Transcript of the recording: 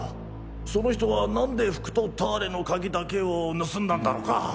その人はなんで服とターレの鍵だけを盗んだんだろか？